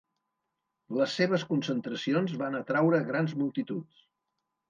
Les seves concentracions van atraure grans multituds.